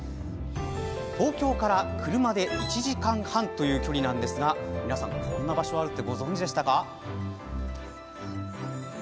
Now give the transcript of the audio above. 東京から車で１時間半という距離なんですが皆さん、こんな場所があるってご存じでしたか？